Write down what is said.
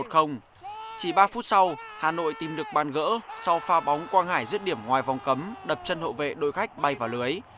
hà nội tìm được bàn gỡ sau pha bóng quang hải giết điểm ngoài vòng cấm đập chân hậu vệ đối khách bay vào lưới